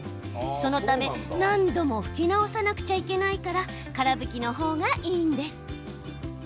そのため何度も拭き直さなくちゃいけないからから拭きの方がいいんです。